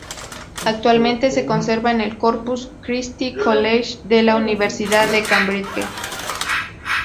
Actualmente se conserva en el Corpus Christi College de la Universidad de Cambridge.